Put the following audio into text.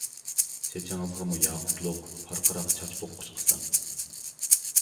چېچىڭىزغىمۇ ياقۇتلۇق، پارقىراق چاچ بوغقۇچ قىسىڭ.